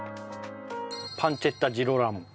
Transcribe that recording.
パンツェッタ・ジローラモ。